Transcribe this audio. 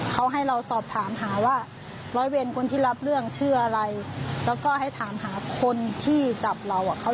ตำรวจถามว่าคนที่มาจับเรา